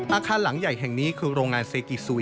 อาคารหลังใหญ่แห่งนี้คือโรงงานเซกิซูย